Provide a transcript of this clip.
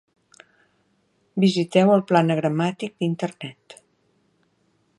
Visiteu el Pla anagramàtic d'Internet.